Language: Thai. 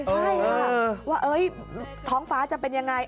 ใช่ค่ะว่าท้องฟ้าจะเป็นยังไง